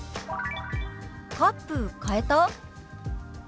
「カップ変えた？」。